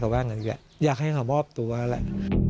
ก็ว่างั้นอย่างนี้อยากให้เขามอบตัวนั่นแหละ